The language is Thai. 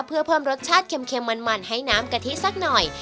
เพื่อเพิ่มรสชาติเค็มมันให้น้ำกะทิสักหน่อย